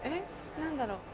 何だろう？